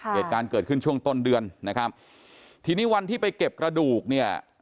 เหตุการณ์เกิดขึ้นช่วงต้นเดือนนะครับทีนี้วันที่ไปเก็บกระดูกเนี่ย